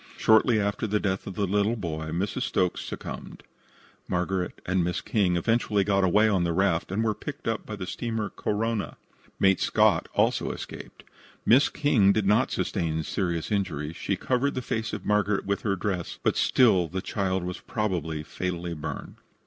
Shortly after the death of the little boy Mrs. Stokes succumbed. Margaret and Miss King eventually got away on the raft, and were picked up by the steamer Korona. Mate Scott also escaped. Miss King did not sustain serious injuries. She covered the face of Margaret with her dress, but still the child was probably fatally burned.